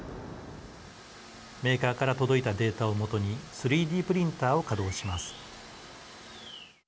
メーカーから届いたデータを基に３Ｄプリンターを稼働します。